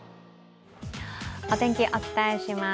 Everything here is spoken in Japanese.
お天気、お伝えします。